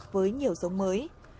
với nhiều dống mới